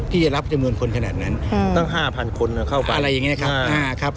ที่จะรับจำนวนคนขนาดนั้นตั้ง๕๐๐คนเข้าไปอะไรอย่างนี้ครับ